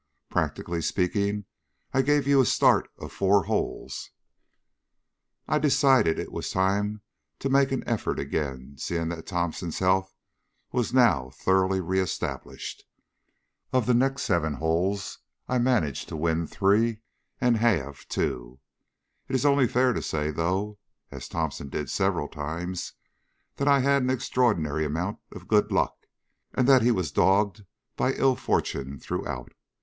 Practically speaking, I gave you a start of four holes." I decided that it was time to make an effort again, seeing that Thomson's health was now thoroughly re established. Of the next seven holes I managed to win three and halve two. It is only fair to say, though (as Thomson did several times), that I had an extraordinary amount of good luck, and that he was dogged by ill fortune throughout.